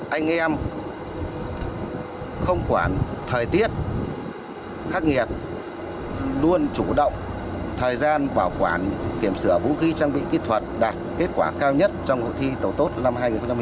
anh em không quản thời tiết khắc nghiệt luôn chủ động thời gian bảo quản kiểm sửa vũ khí trang bị kỹ thuật đạt kết quả cao nhất trong hội thi tổ tốt năm hai nghìn một mươi chín